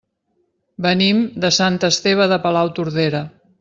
Venim de Sant Esteve de Palautordera.